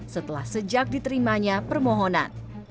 setelah sejak diterimanya permohonannya